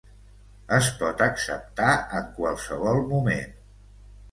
Es pot acceptar en qualsevol moment.